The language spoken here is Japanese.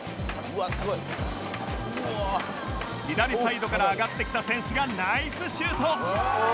うわあ」左サイドから上がってきた選手がナイスシュート！